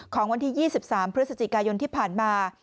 ของวันที่๒๓พฤศจิกายนที่ผ่านมา